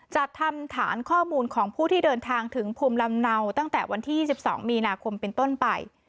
จัดทำฐานข้อมูลของผู้ที่เดินทางถึงภูมิลำเนาตั้งแต่วันที่๒๒มีนาคมเป็นต้นไป